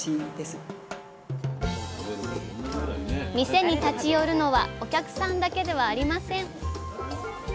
店に立ち寄るのはお客さんだけではありません。